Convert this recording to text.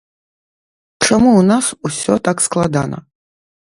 Чаму ў нас усё так складана?